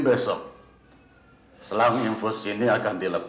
sehingga bisa berbuat hal yang aneh aneh